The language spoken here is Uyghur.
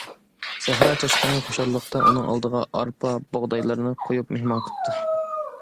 سەھرا چاشقىنى خۇشاللىقتا ئۇنىڭ ئالدىغا ئارپا، بۇغدايلارنى قويۇپ مېھمان قىلىپتۇ.